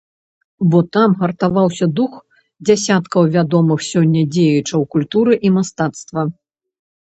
Бо там гартаваўся дух дзясяткаў вядомых сёння дзеячаў культуры і мастацтва.